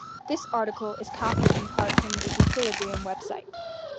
This article is copied in part from the Equilibrium website.